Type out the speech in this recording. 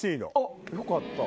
よかった。